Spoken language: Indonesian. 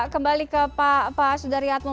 kembali ke pak sudariatmo